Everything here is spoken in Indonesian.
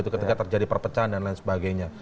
ketika terjadi perpecahan dan lain sebagainya